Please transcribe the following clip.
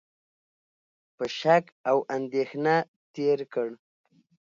په شک او اندېښنه تېر کړ،